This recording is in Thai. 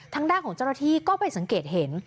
ทางด้านของเจ้าหน้าที่ก็ไปสังเกตเห็น